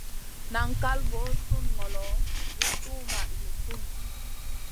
Nan kal voo sùn ŋolo guʼ tuwmaʼ Zi sunu.